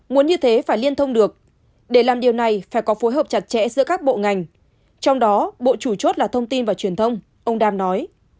muốn như thế phải liên thông được để làm điều này phải có phối hợp chặt chẽ giữa các bộ ngành trong đó bộ chủ chốt là thông tin và truyền thông ông đam nói